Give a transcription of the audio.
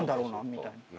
みたいな。